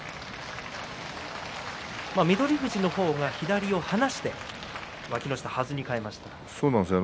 富士の方が左を放してわきの下、はずに変えました。